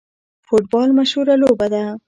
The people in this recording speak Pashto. فوټبال مشهوره لوبه ده